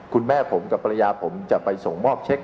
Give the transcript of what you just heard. คุณแม่ผมกับภรรยาผมจะไปส่งมอบเช็ค